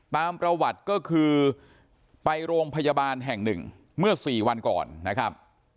ตามประวัติก็คือไปโรงพยาบาลแห่งหนึ่งเมื่อสี่วันก่อนนะครับ